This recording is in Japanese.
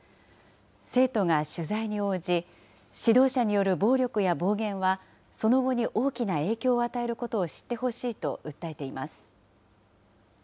生徒が取材に応じ、指導者による暴力や暴言は、その後に大きな影響を与えることを知ってほしいと訴えています。